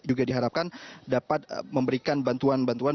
juga diharapkan dapat memberikan bantuan bantuan